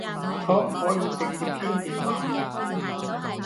可唔可以直接傾電話？